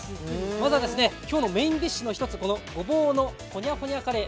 まずは、今日のメインディッシュの一つ「ごぼうの●●●カレー」